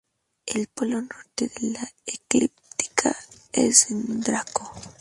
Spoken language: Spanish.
El polo norte de la eclíptica es en Draco.